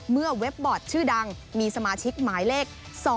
เมื่อเว็บบอร์ดชื่อดังมีสมาชิกหมายเลข๒๙๘๐๕๓๒